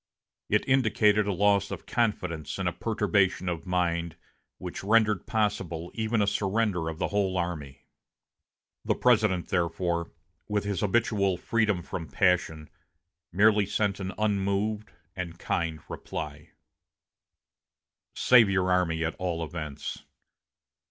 It indicated a loss of confidence and a perturbation of mind which rendered possible even a surrender of the whole army. The President, therefore, with his habitual freedom from passion, merely sent an unmoved and kind reply: "Save your army at all events.